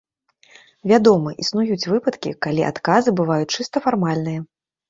Вядома, існуюць выпадкі, калі адказы бываюць чыста фармальныя.